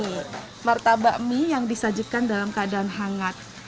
ini martabak mie yang disajikan dalam keadaan hangat